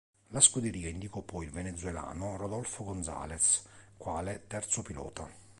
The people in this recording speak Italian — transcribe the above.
La scuderia indicò poi il venezuelano Rodolfo González quale terzo pilota.